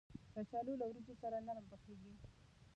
کچالو له وریجو سره نرم پخېږي